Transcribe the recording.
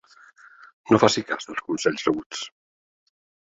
No faci cas dels consells rebuts.